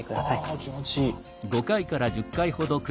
あ気持ちいい。